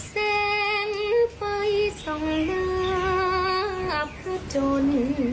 แสงไปส่องหน้าผจญ